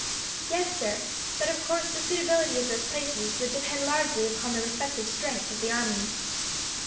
"Yes, sir; but of course, the suitability of those places would depend largely upon the respective strength of the armies."